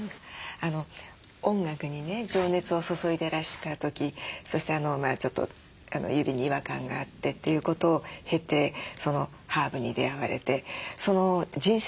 音楽にね情熱を注いでらした時そしてちょっと指に違和感があってということを経てハーブに出会われて人生観というのは変わられましたか？